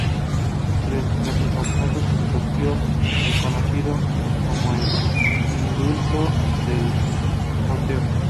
Tras el fracaso se acogió al conocido como Indulto de Oteo.